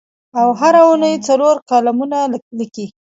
او هره اوونۍ څلور کالمونه لیکي.